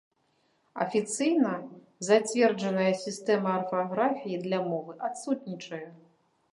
Афіцыйна зацверджаная сістэма арфаграфіі для мовы адсутнічае.